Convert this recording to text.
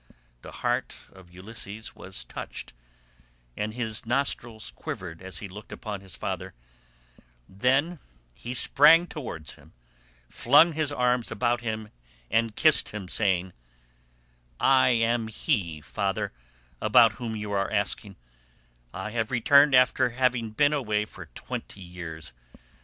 The heart of Ulysses was touched, and his nostrils quivered as he looked upon his father; then he sprang towards him, flung his arms about him and kissed him, saying, "I am he, father, about whom you are asking—I have returned after having been away for twenty years.